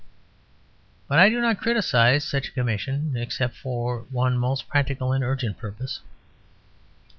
But I do not criticise such a Commission except for one most practical and urgent purpose.